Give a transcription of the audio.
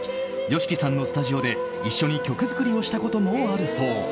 ＹＯＳＨＩＫＩさんのスタジオで一緒に曲作りをしたこともあるそう。